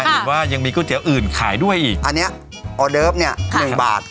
เห็นว่ายังมีก๋วยเตี๋ยวอื่นขายด้วยอีกอันเนี้ยออเดิฟเนี่ยหนึ่งบาท